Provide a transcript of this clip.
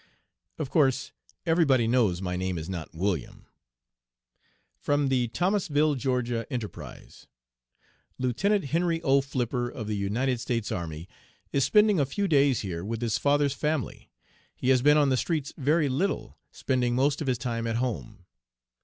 Of course everybody knows my name is not William. (From the, Thomasville (Ga.) Enterprise.) "Lieutenant Henry O. Flipper of the United States Army is spending a few days here with his father's family, he has been on the streets very little, spending most of his time at home.